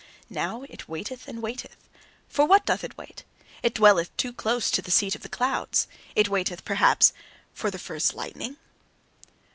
Now it waiteth and waiteth, for what doth it wait? It dwelleth too close to the seat of the clouds; it waiteth perhaps for the first lightning?"